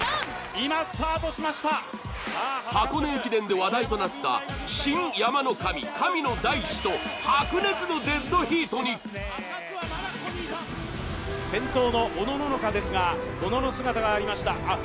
今スタートしました箱根駅伝で話題となったと白熱のデッドヒートに先頭のおのののかですがおのの姿がありましたあっ